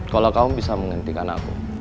kalau kamu bisa menghentikan aku